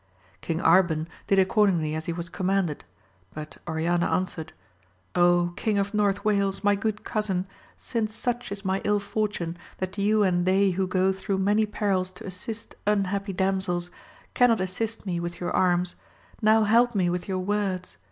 King Arban did accordingly as he was command ed ; but Oriana answered, King of North Wales ! my good cousin, since such is my ill fortune, that you and they who go through many perils to assist un happy damsels, cannot assist me with your arms, now help me with your words